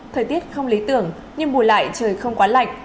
thời tiết không lý tưởng nhưng bù lại trời không quá lạnh